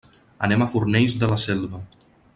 Anem a Fornells de la Selva.